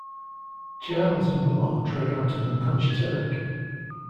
Giles and Willow drag out an unconscious Eric.